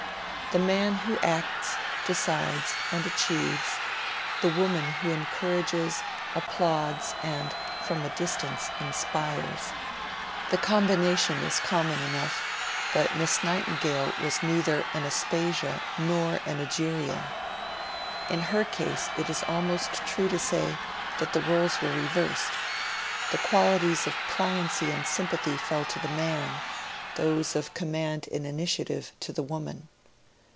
The man who acts, decides, and achieves; the woman who encourages, applauds, and from a distance inspires: the combination is common enough; but Miss Nightingale was neither an Aspasia nor an Egeria. In her case it is almost true to say that the roles were reversed; the qualities of pliancy and sympathy fell to the man, those of command and initiative to the woman.